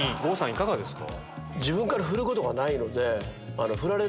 いかがですか？